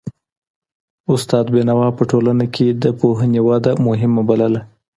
استاد بینوا په ټولنه کي د پوهنې وده مهمه بلله.